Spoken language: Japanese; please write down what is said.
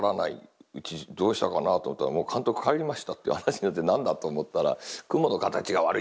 どうしたかなと思ったらもう監督帰りましたっていう話になって何だと思ったら「雲の形が悪い！」